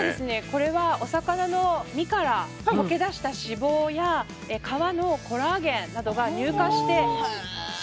これはお魚の身から溶け出した脂肪や皮のコラーゲンなどが乳化して白く。